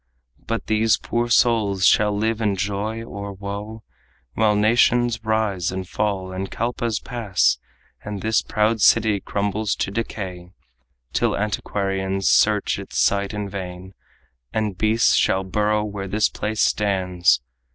But these poor souls shall live in joy or woe While nations rise and fall and kalpas pass, And this proud city crumbles to decay Till antiquarians search its site in vain, And beasts shall burrow where this palace stands.